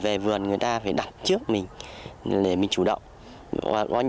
về vườn người ta phải đặt trước mình để mình chủ động